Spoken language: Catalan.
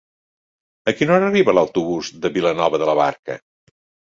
A quina hora arriba l'autobús de Vilanova de la Barca?